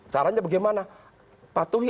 caranya bagaimana patuhi